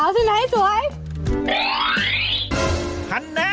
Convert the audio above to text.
ช่ายสวยจังเลย